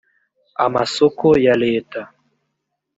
amasoko ya leta